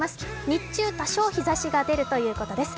日中多少日ざしが出るということです。